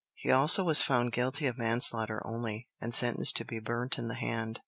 He also was found guilty of manslaughter only, and sentenced to be burnt in the hand.